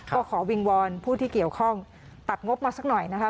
ก็ขอวิงวอนผู้ที่เกี่ยวข้องตัดงบมาสักหน่อยนะคะ